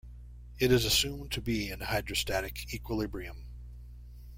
It is assumed to be in hydrostatic equilibrium.